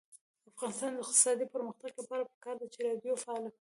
د افغانستان د اقتصادي پرمختګ لپاره پکار ده چې راډیو فعاله وي.